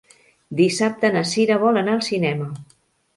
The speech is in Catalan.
Dissabte na Cira vol anar al cinema.